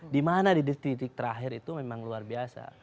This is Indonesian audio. dimana di titik terakhir itu memang luar biasa